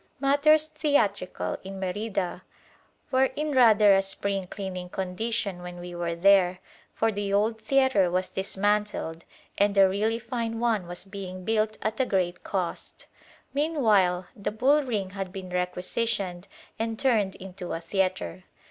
Matters theatrical in Merida were in rather a spring cleaning condition when we were there, for the old theatre was dismantled and a really fine one was being built at a great cost. Meanwhile the bull ring had been requisitioned and turned into a theatre.